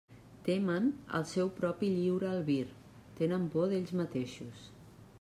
Temen el seu propi lliure albir; tenen por d'ells mateixos.